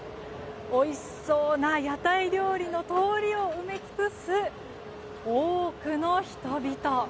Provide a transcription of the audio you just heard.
おいしそうな屋台料理の通りを埋め尽くす多くの人々。